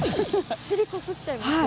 尻こすっちゃいます？